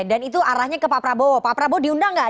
itu arahnya ke pak prabowo pak prabowo diundang nggak